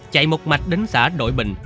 chạy một mạch đến xã đội bình